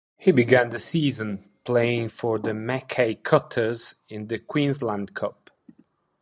He began the season playing for the Mackay Cutters in the Queensland Cup.